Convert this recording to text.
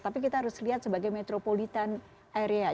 tapi kita harus lihat sebagai metropolitan area